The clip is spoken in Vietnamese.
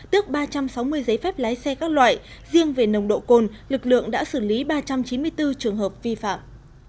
tước ba trăm sáu mươi giấy phép lái xe các loại riêng về nồng độ cồn lực lượng đã xử lý ba trăm chín mươi bốn trường hợp vi phạm